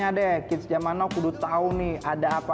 adek belum lahir kan waktu itu